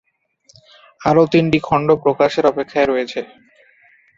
আরও তিনটি খণ্ড প্রকাশের অপেক্ষায় রয়েছে।